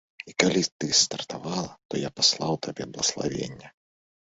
І калі ты стартавала, то я паслаў табе блаславенне.